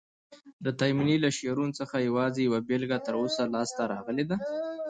د تایمني له شعرونو څخه یوازي یوه بیلګه تر اوسه لاسته راغلې ده.